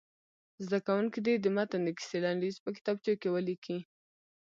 زده کوونکي دې د متن د کیسې لنډیز په کتابچو کې ولیکي.